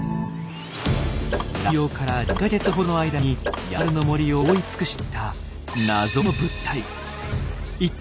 落葉から２か月ほどの間にやんばるの森を覆い尽くしていった謎の物体。